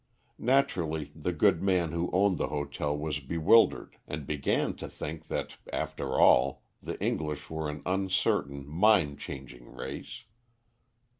Naturally the good man who owned the hotel was bewildered, and began to think that, after all, the English were an uncertain, mind changing race.